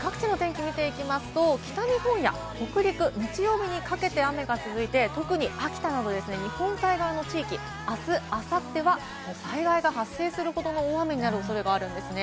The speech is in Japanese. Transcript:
各地の天気を見ていきますと、北日本や北陸、日曜日にかけて雨が続いて、特に秋田など日本海側の地域、あす、あさっては災害が発生するほどの大雨になる恐れがあるんですね。